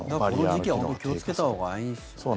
だから、この時期は本当に気をつけたほうがいいですね。